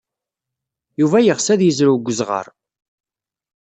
Yuba yeɣs ad yezrew deg uzɣar.